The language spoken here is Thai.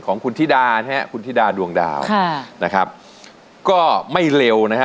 ของคุณธิดานะฮะคุณธิดาดวงดาวค่ะนะครับก็ไม่เร็วนะฮะ